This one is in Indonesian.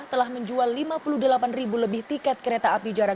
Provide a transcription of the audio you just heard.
telah menjual lima puluh delapan ribu lebih tiket kereta api jarak